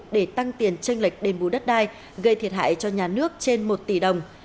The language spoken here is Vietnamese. để tăng tiền tranh lệch đền bù đất đai gây thiệt hại cho nhà nước trên một tỷ đồng